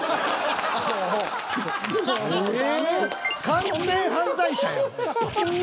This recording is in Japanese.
完全犯罪者やん。